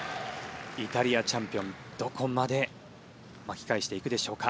イタリアチャンピオンどこまで巻き返していくでしょうか。